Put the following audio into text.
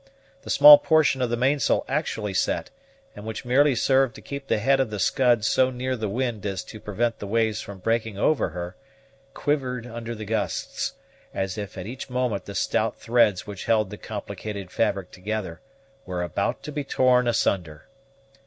The small portion of the mainsail actually set, and which merely served to keep the head of the Scud so near the wind as to prevent the waves from breaking over her, quivered under the gusts, as if at each moment the stout threads which held the complicated fabric together were about to be torn asunder.